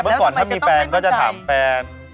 เมื่อก่อนถ้ามีแฟนก็จะถามแฟน